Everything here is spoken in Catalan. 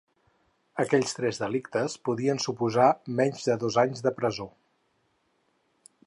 Aquells tres delictes podien suposar menys de dos anys de presó.